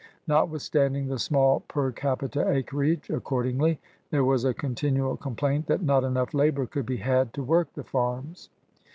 Notwithstanding the small per capita acreage, accordingly, there was a continual complaint that not enough labor could be had to work the farms.